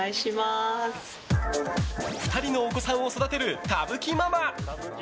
２人のお子さんを育てる田吹ママ。